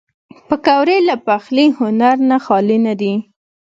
پکورې له پخلي هنر نه خالي نه دي